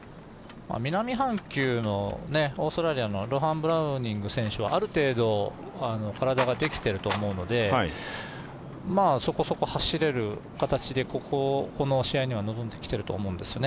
南半球のオーストラリアのロハン・ブラウニング選手はある程度体ができていると思うので、そこそこ走れる形で、この試合には臨んできてると思うんです。